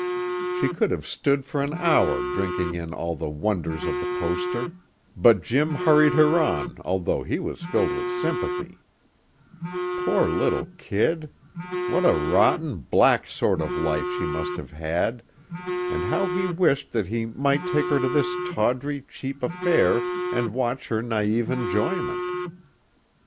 She could have stood for an hour drinking in all the wonders of the poster, but Jim hurried her on although he was filled with sympathy. Poor little kid! What a rotten, black sort of life she must have had, and how he wished that he might take her to this tawdry, cheap affair and watch her naïve enjoyment.